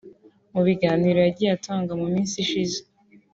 Mu biganiro yagiye atanga mu minsi ishize